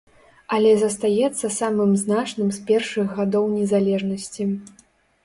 Але застаецца самым значным з першых гадоў незалежнасці.